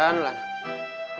oh makasih udah bener